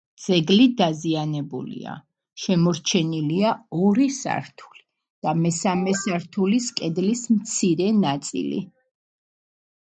ძეგლი დაზიანებულია: შემორჩენილია ორი სართული და მესამე სართულის კედლის მცირე ნაწილი.